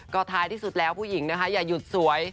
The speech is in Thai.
ก็ท้ายที่สุดแล้วผู้หญิงนะคะอย่าหยุดสวย